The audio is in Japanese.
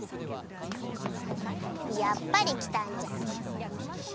やっぱり来たんじゃん。